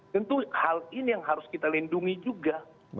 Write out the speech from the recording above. tentu hal ini yang harus kita lindungi juga